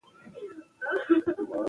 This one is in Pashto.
لیکوال دا ډاډ راکوي.